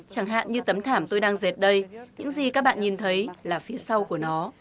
chẳng hạn như tấm thảm tôi đang dệt đây những gì các bạn nhìn thấy là phía sau của nó